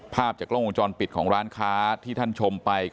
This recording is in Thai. ภาพจากกล้องวงจรปิดของร้านค้าที่ท่านชมไป